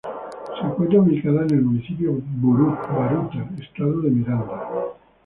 Se encuentra ubicada en el Municipio Baruta, Estado Miranda.